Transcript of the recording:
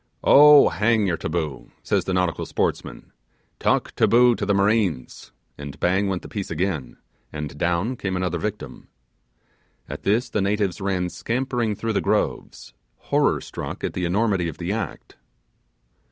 'Oh, hang your taboo,' says the nautical sportsman; 'talk taboo to the marines'; and bang went the piece again, and down came another victim. At this the natives ran scampering through the groves, horror struck at the enormity of the act.